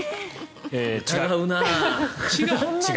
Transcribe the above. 違うな。